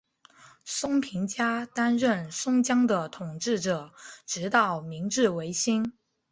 松平家担任松江的统治者直到明治维新。